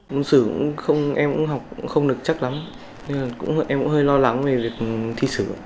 môn sử em cũng học không được chắc lắm em cũng hơi lo lắng về việc thi sử